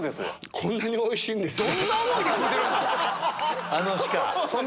こんなにおいしいんですね。